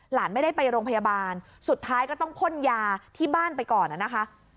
หลานไม่ได้ไปโรงพยาบาลสุดท้ายก็ต้องพ่นยาที่บ้านไปก่อนนะคะ